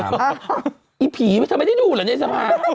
ไอ้ผีทำไมไม่ได้ดูหรอในสภาพ